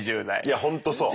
いやほんとそう。